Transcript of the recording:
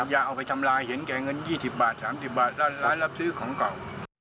อย่าเอาไปทำลายเห็นแก่เงิน๒๐บาท๓๐บาทร้านรับซื้อของเก่า